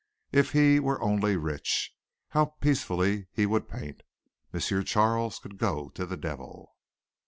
If he were only rich how peacefully he would paint! M. Charles could go to the devil.